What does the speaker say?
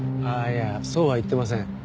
いやそうは言ってません。